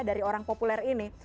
dari orang populer ini